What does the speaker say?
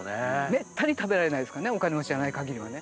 めったに食べられないですからねお金持ちじゃないかぎりはね。